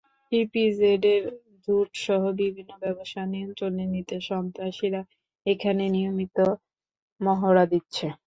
ইপিজেডের ঝুটসহ বিভিন্ন ব্যবসা নিয়ন্ত্রণে নিতে সন্ত্রাসীরা এখানে নিয়মিত মহড়া দিচ্ছে।